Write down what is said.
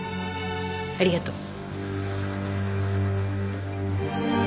ありがとう。